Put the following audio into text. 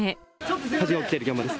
火事が起きてる現場です。